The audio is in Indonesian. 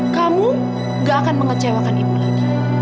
kamu gak akan mengecewakan ibu lagi